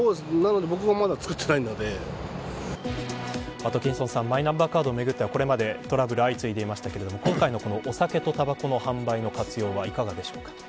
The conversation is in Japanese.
アトキンソンさんマイナンバーカードをめぐってはトラブルが相次いでいましたが今回のお酒とたばこの販売の活用はいかがですか。